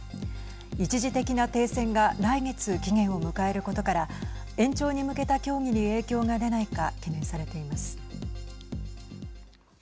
一時的な停戦が来月期限を迎えることから延長に向けた協議に影響が出ないか懸念されています。